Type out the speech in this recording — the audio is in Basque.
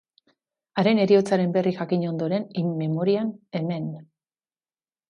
Haren heriotzaren berri jakin ondoren, in memoriam, hemen.